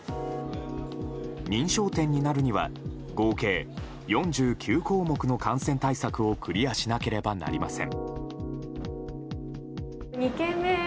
認証店になるには合計４９項目の感染対策をクリアしなければなりません。